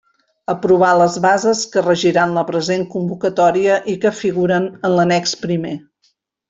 Aprovar les bases que regiran la present convocatòria i que figuren en l'annex primer.